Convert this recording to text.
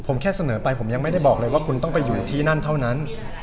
ผมแค่เสนอไปผมยังไม่ได้บอกเลยว่าคุณต้องไปอยู่ที่นั่นเท่านั้น